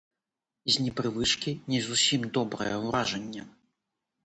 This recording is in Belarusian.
З непрывычкі не зусім добрае ўражанне.